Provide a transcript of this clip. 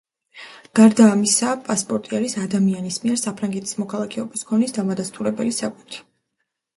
გარდა ამისა, პასპორტი არის ადამიანის მიერ საფრანგეთის მოქალაქეობის ქონის დამადასტურებელი საბუთი.